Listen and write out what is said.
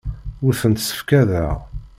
Ur tent-ssefqadeɣ.